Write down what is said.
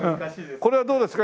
これはどうですか？